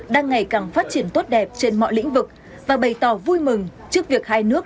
đang ngày càng phát triển tốt đẹp trên mọi lĩnh vực và bày tỏ vui mừng trước việc hai nước